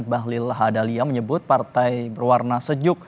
bahlil hadalia menyebut partai berwarna sejuk